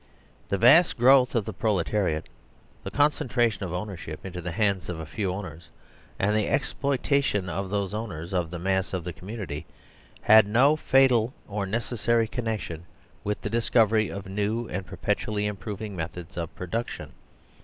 The vast growth of the proletariat, the concentration of ownership into the hands of a few owners, and the exploitation by those owners of the mass of the com munity, had no fatal or necessary connection with the discovery of new and perpetually improving methods of production.